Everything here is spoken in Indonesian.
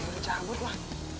dia cabut lah